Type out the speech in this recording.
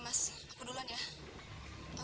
makan yang enak ya